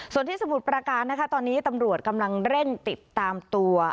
ส่วนที่สมุทรประการนะคะตอนนี้ตำรวจกำลังเร่งติดตามตัว